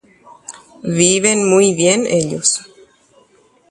Oiko porã guasu hikuái.